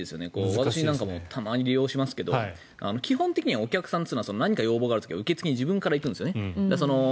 私なんかもたまに利用しますけど基本的にはお客さんは何か要望がある時は受付に自分から行くんですよね。